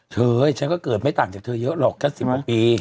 เธอเฮ้ยฉันก็เกิดไม่ต่างจากเธอเยอะหรอกแค่สิบหกปีใช่ไหม